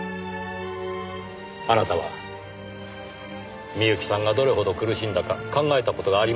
あなたは深雪さんがどれほど苦しんだか考えた事がありましたか？